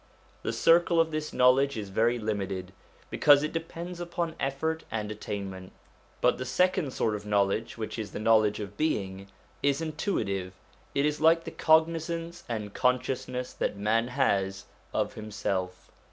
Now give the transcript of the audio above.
The circle of this knowledge is very limited, because it depends upon effort and attainment. But the second sort of knowledge, which is the know ledge of being, is intuitive, it is like the cognisance and consciousness that man has of himself.